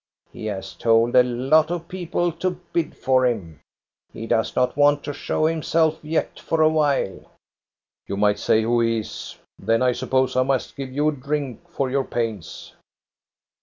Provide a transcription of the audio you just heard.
He has told a lot of people to bid for him. He does not want to show himself yet for a while." " You might say who he is ; then I suppose I must give you a drink for your pains."